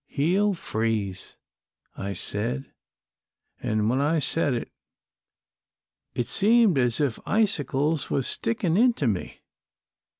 'He'll freeze,' I said, an' when I said it, it seemed as if icicles were stickin' into me.